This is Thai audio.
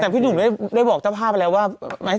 แต่พี่หนุ่มได้บอกเจ้าภาพไปแล้วว่า